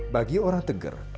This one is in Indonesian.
bagi orang tengger